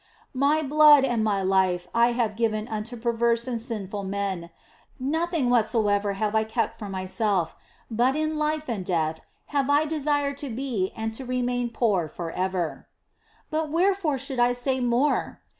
My blood and My life have I given unto perverse and sinful men ; nothing whatsoever have I kept for Myself, but in life and death have I desired to be and to remain poor for ever. " But wherefore should I say more